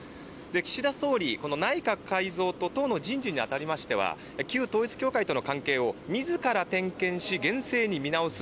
岸田総理、内閣改造と党の人事に当たりましては旧統一教会との関係を自ら点検し厳正に見直す